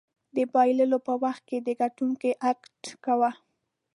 د بایللو په وخت کې د ګټونکي اکټ کوه.